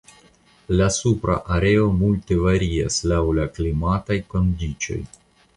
La supra areo multe varias laŭ la klimataj kondiĉoj.